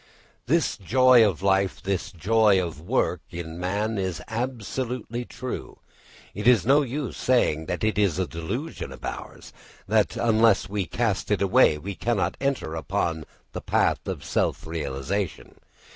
_ This joy of life, this joy of work, in man is absolutely true. It is no use saying that it is a delusion of ours; that unless we cast it away we cannot enter upon the path of self realisation.